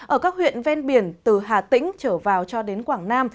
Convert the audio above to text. ở các huyện ven biển từ hà tĩnh trở vào cho đến quảng nam